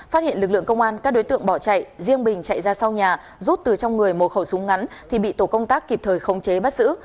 phát hiện lực lượng công an các đối tượng bỏ chạy riêng bình chạy ra sau nhà rút từ trong người một khẩu súng ngắn thì bị tổ công tác kịp thời khống chế bắt giữ